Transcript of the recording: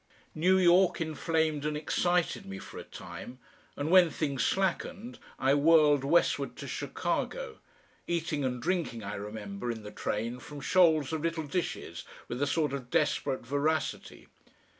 New York inflamed and excited me for a time, and when things slackened, I whirled westward to Chicago eating and drinking, I remember, in the train from shoals of little dishes, with a sort of desperate voracity.